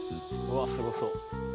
うわっすごそう。